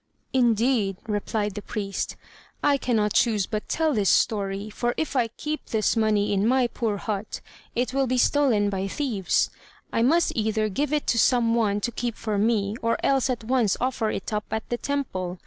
"Indeed," replied the priest, "I cannot choose but tell this story. For if I keep this money in my poor hut, it will be stolen by thieves: I must either give it to some one to keep for me, or else at once offer it up at the temple.